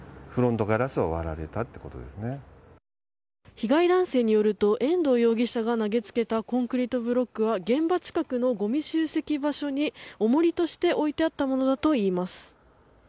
被害男性によると遠藤容疑者が投げつけたコンクリートブロックは現場近くのごみ集積場所に重りとして置いてあったものだといいます。